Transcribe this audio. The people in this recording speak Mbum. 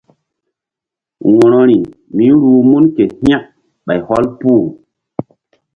Wo̧rori míruh mun ke hȩk ɓay hɔl puh.